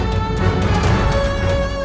selamat tinggal puteraku